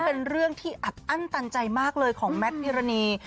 เป็นเรื่องที่อัดอั้นตันใจมากเลยของแมทพิรณี